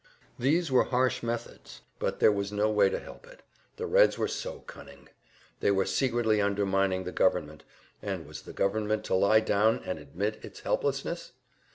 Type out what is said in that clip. These were harsh methods, but there was no way to help it, the Reds were so cunning. They were secretly undermining the government, and was the government to lie down and admit its helplessness?